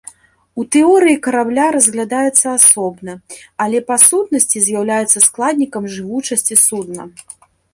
У тэорыі карабля разглядаецца асобна, але па сутнасці з'яўляецца складнікам жывучасці судна.